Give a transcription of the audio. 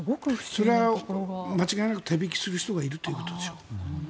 それは間違いなく手引する人がいるということでしょ。